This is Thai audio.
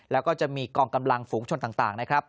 แล้วก็จะมีกองกำลังฝูงชนต่างนะครับ